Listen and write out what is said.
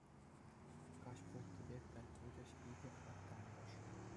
Каҫ пулттипе тӗл пулчӗҫ икӗ хӗр тантӑш.